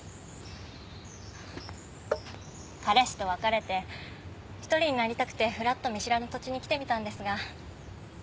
彼氏と別れて一人になりたくてふらっと見知らぬ土地に来てみたんですが。